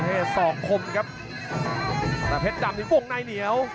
อื้อหือจังหวะขวางแล้วพยายามจะเล่นงานด้วยซอกแต่วงใน